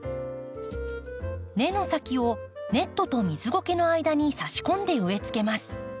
根の先をネットと水ごけの間に差し込んで植えつけます。